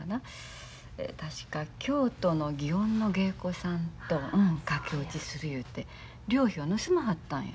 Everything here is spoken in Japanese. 確か京都の園の芸子さんと駆け落ちする言うて寮費を盗まはったんや。